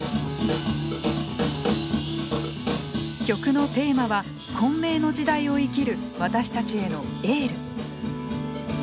曲のテーマは混迷の時代を生きる私たちへのエール。